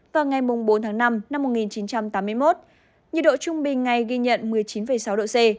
vào ngày bốn tháng năm năm một nghìn chín trăm tám mươi một nhiệt độ trung bình ngày ghi nhận một mươi chín sáu độ c